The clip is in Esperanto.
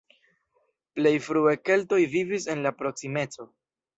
Plej frue keltoj vivis en la proksimeco.